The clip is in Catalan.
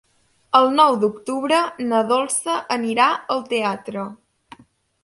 El nou d'octubre na Dolça anirà al teatre.